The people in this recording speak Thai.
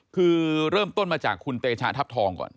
คือเริ่มต้นมาจากคุณเตชะทัพทองก่อน